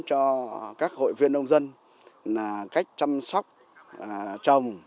cho các hội viên nông dân là cách chăm sóc trồng